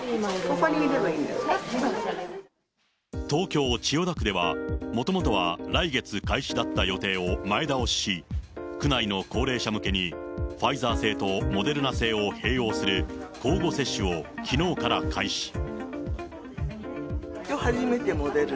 東京・千代田区では、もともとは来月開始だった予定を前倒しし、区内の高齢者向けに、ファイザー製とモデルナ製を併用する交互接種をきのうから開始。